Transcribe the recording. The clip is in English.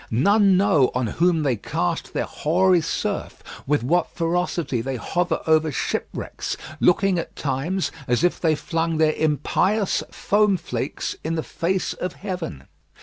None know on whom they cast their hoary surf; with what ferocity they hover over shipwrecks, looking at times as if they flung their impious foam flakes in the face of heaven.